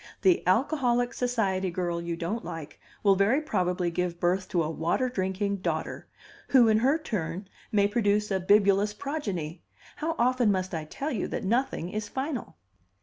The alcoholic society girl you don't like will very probably give birth to a water drinking daughter who in her turn may produce a bibulous progeny: how often must I tell you that nothing is final?"